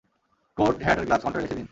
Coat, hat আর gloves, কাউন্টারে রেখে দিন।